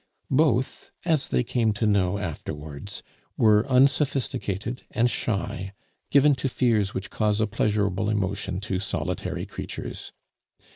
Both, as they came to know afterwards, were unsophisticated and shy, given to fears which cause a pleasurable emotion to solitary creatures.